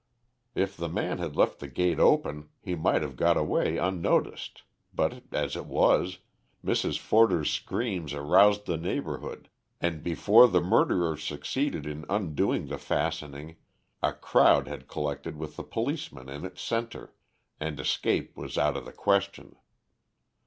If the man had left the gate open he might have got away unnoticed, but, as it was, Mrs. Forder's screams aroused the neighbourhood, and before the murderer succeeded in undoing the fastening, a crowd had collected with a policeman in its centre, and escape was out of the question.